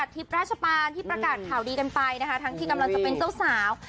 ที่ประกาศข่าวดีกันไปนะคะทั้งที่กำลังจะเป็นเจ้าสาว